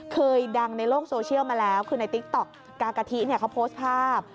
เคยดังในโลกโซเชียลมาแล้วคือในติ๊กต๊อกกากะทิเนี่ยเขาโพสต์ภาพ